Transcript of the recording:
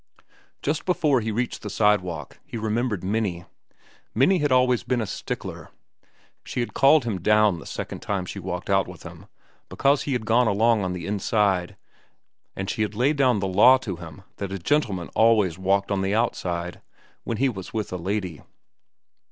Just before he reached the sidewalk, he remembered Minnie. Minnie had always been a stickler. She had called him down the second time she walked out with him, because he had gone along on the inside, and she had laid the law down to him that a gentleman always walked on the outside—when he was with a lady.